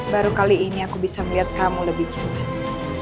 baru kali ini aku bisa melihat kamu lebih cemas